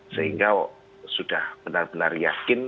sehingga sudah benar benar yakin